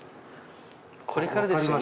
これからですよね？